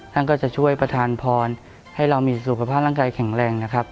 ท่านก็จะช่วยประธานพรให้เรามีสุขภาพร่างกายแข็งแรงนะครับ